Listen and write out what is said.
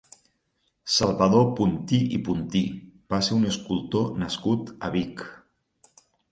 Salvador Puntí i Puntí va ser un escultor nascut a Vic.